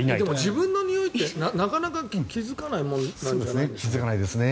自分のにおいってなかなか気付かないものなんじゃないですか？